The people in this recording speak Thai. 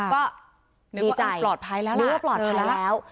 ก็บีใจเดี๋ยวว่าปลอดภัยแล้ว